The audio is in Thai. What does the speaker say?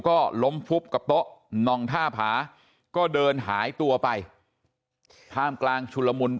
ก็ล้มฟุบกับโต๊ะนองท่าผาก็เดินหายตัวไปท่ามกลางชุลมุน